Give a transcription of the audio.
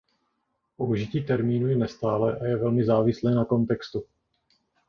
Použití termínu je nestálé a je velmi závislé na kontextu.